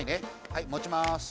はい持ちます。